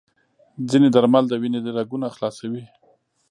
ځینې درمل د وینې رګونه خلاصوي.